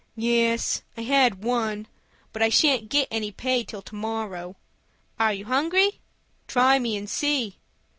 "Yes, I had one, but I shan't get any pay till to morrow." "Are you hungry?" "Try me, and see."